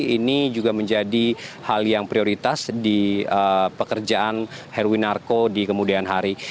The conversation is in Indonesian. ini juga menjadi hal yang prioritas di pekerjaan heruwinarko di kemudian hari